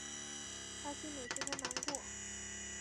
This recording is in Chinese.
她心里十分难过